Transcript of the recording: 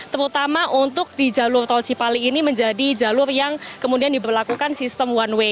terutama untuk di jalur tol cipali ini menjadi jalur yang kemudian diberlakukan sistem one way